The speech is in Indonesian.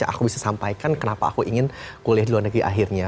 aku bisa sampaikan kenapa aku ingin kuliah di luar negeri akhirnya